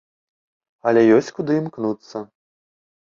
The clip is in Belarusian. Але ёсць куды імкнуцца.